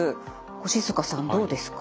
越塚さんどうですか？